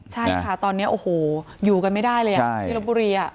ใช่ค่ะตอนนี้โอ้โหอยู่กันไม่ได้เลยที่ลบบุรี